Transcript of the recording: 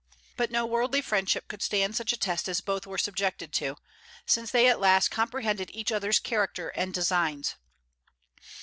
But no worldly friendship could stand such a test as both were subjected to, since they at last comprehended each other's character and designs.